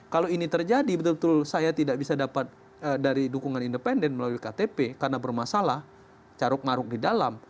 kalau ini terjadi betul betul saya tidak bisa dapat dari dukungan independen melalui ktp karena bermasalah caruk ngaruh di dalam